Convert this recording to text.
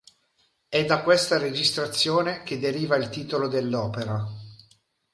È da questa registrazione che deriva il titolo dell'opera.